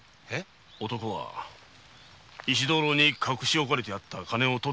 男は石灯籠に隠し置かれてあった金を取って逃げたそうだ。